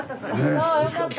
あよかった。